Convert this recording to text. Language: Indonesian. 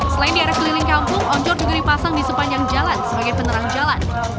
selain di area keliling kampung oncor juga dipasang di sepanjang jalan sebagai penerang jalan